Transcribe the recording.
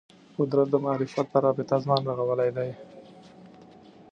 قدرت د معرفت په رابطه ځان رغولی دی